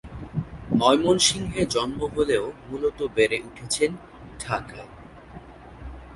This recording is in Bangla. ময়মনসিংহে জন্ম হলেও মূলত বেড়ে উঠেছেন ঢাকায়।